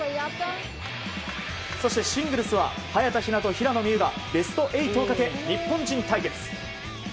そしてシングルスは早田ひなと平野美宇がベスト８をかけ日本人対決。